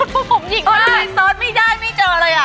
ภาษาภายใจไม่เจออะไรแหละ